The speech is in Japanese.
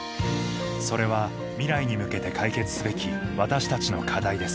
それは未来に向けて解決すべき私たちの課題です